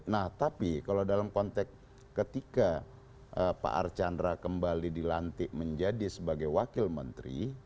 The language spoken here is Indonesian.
nah tapi kalau dalam konteks ketika pak archandra kembali dilantik menjadi sebagai wakil menteri